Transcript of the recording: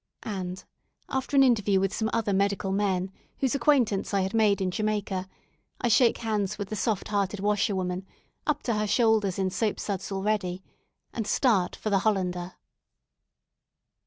And, after an interview with some other medical men, whose acquaintance I had made in Jamaica, I shake hands with the soft hearted washerwoman, up to her shoulders in soap suds already, and start for the "Hollander."